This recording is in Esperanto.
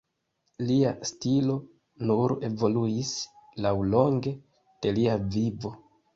Lia stilo nur evoluis laŭlonge de lia vivo.